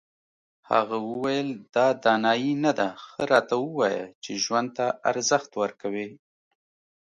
هغه وویل دا دانایي نه ده ښه راته ووایه چې ژوند ته ارزښت ورکوې.